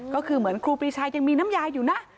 ก็คือเหมือนครูปรีชายังมีน้ำยาอยู่นะ